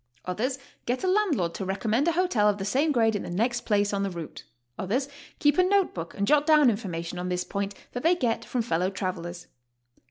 Others get a landlord to recommend a hotel of the same grade in the next place on the route. Others keep a note book and jot down information on this point that they get from fellow^ travelers.